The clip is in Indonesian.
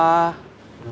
ya kita semua